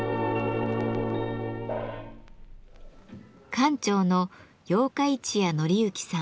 館長の八日市屋典之さん。